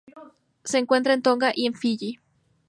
Se encuentra en Tonga y en Fiyi.